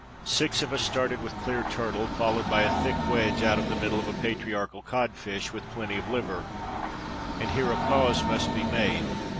Six of us started with clear turtle, followed by a thick wedge out of the middle of a patriarchal codfish, with plenty of liver. And here a pause must be made.